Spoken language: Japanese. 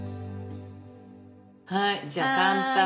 はいじゃあ乾杯。